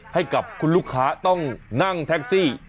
ให้กับคุณลูกค้าต้องนั่งแท็กซี่